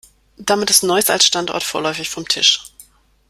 Damit ist Neuss als Standort vorläufig vom Tisch.